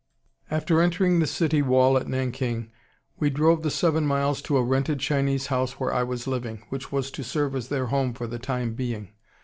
"After entering the city wall at Nanking we drove the seven miles to a rented Chinese house where I was living, which was to serve as their home for the time being.